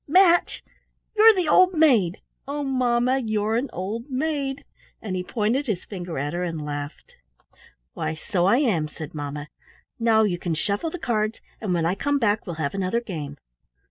Match! You're the old maid. Oh, Mamma! You're an old maid!" And he pointed his finger at her and laughed. "Why, so I am," said mamma. "Now you can shuffle the cards, and when I come back we'll have another game."